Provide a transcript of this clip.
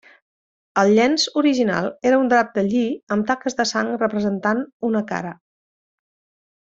El llenç original era un drap de lli amb taques de sang representant una cara.